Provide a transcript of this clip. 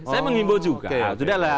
saya mengimbau juga sudah lah